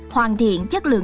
hoàn thiện chất lượng